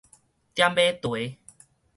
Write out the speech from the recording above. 點馬蹄